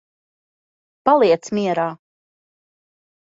Paliec mierā.